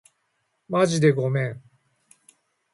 まじでごめん